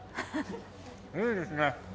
いいですね。